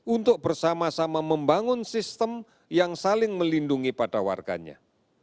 untuk bersama sama membangun sistem yang saling melindungi pada warganya